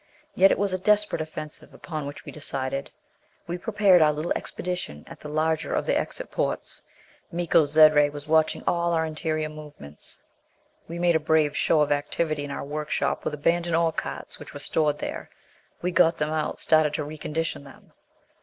Yet it was a desperate offensive upon which we decided! We prepared our little expedition at the larger of the exit ports. Miko's zed ray was watching all our interior movements. We made a brave show of activity in our workshop with abandoned ore carts which were stored there. We got them out, started to recondition them.